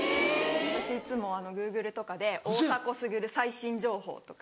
私いつもＧｏｏｇｌｅとかで「大迫傑最新情報」とか。